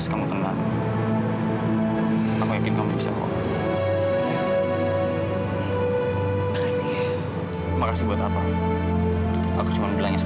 kalung ini itu bisa bikin kelabakan kalau